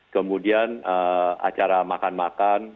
kemudian acara makan makan